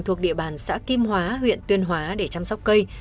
thuộc địa bàn xã kim hóa huyện tuyên hóa để chăm sóc cây